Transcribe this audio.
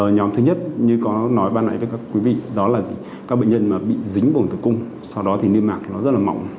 nhóm thứ nhất như có nói ban nãy với các quý vị đó là các bệnh nhân mà bị dính vùng tử cung sau đó thì niêm mạc nó rất là mỏng